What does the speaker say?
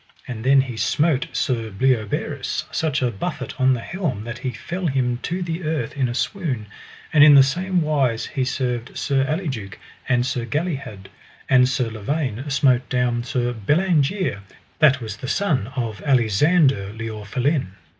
And then he smote Sir Bleoberis such a buffet on the helm that he fell down to the earth in a swoon. And in the same wise he served Sir Aliduke and Sir Galihud. And Sir Lavaine smote down Sir Bellangere, that was the son of Alisander le Orphelin.